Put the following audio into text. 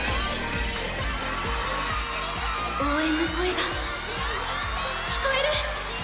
応援の声が聞こえる！